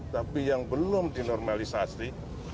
tapi yang belum dinormalisasi